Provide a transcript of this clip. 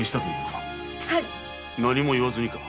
何も言わずにか。